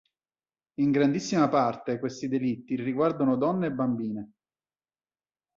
In grandissima parte, questi delitti riguardano donne e bambine.